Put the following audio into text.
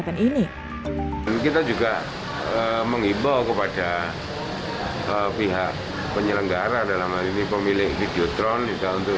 kita juga mengimbau kepada pihak penyelenggara dalam hal ini pemilik video tron juga untuk